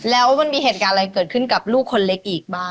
แล้วมันมีเหตุการณ์อะไรเกิดขึ้นกับลูกคนเล็กอีกบ้าง